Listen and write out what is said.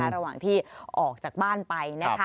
ระหว่างที่ออกจากบ้านไป